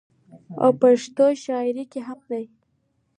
او پښتو شاعرۍ کې هم